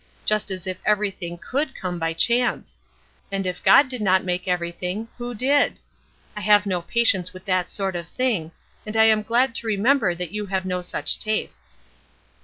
Just as if everything could come by chance! And if God did not make everything, who did? I have no patience with that sort of thing, and I am glad to remember that you have no such tastes.